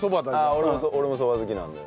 ああ俺もそば好きなので。